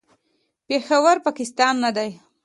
پېښور، پاکستان نه دی.